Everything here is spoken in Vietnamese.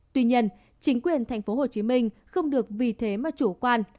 tuy nhiên chính quyền tp hcm không được vì thế mà chủ quan